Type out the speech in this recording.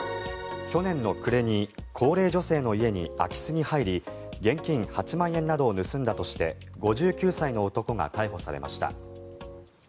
去年の暮れに高齢女性の家に空き巣に入り現金８万円などを盗んだとして５９歳の男が逮捕されました。